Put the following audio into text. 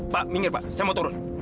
pak minggir pak saya mau turun